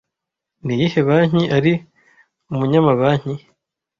Niyihe banki ari Umunyamabanki